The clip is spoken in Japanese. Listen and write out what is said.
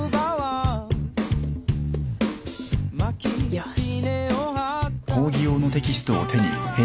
よし。